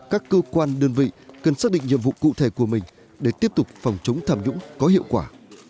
các cơ quan đơn vị cần xác định nhiệm vụ cụ thể của mình để tiếp tục phòng chống tham nhũng có hiệu quả